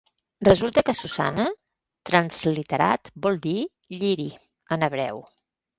Resulta que Susanna, transliterat, vol dir "lliri" en hebreu.